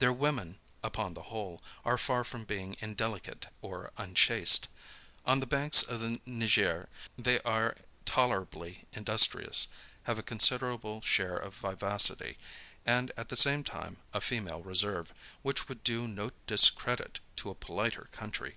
Their women, upon the whole, are far from being indelicate or unchaste. On the banks of the Niger, they are tolerably industrious, have a considerable share of vivacity, and at the same time a female reserve, which would do no discredit to a politer country.